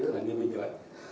rất là như mình vậy